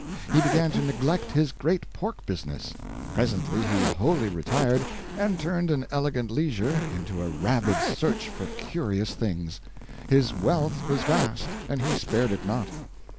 He began to neglect his great pork business; presently he wholly retired and turned an elegant leisure into a rabid search for curious things. His wealth was vast, and he spared it not.